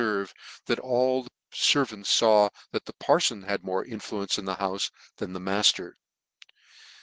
referve, that all the fervants faw that the parfon had more influence in the houfe than their matter.